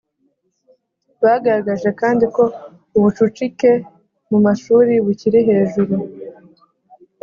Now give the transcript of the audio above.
Bagaragaje kandi ko ubucucike mu mashuri bukiri hejuru